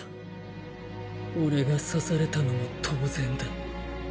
俺が刺されたのも当然だ。